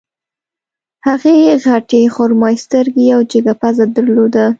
هغې غټې خرمايي سترګې او جګه پزه درلوده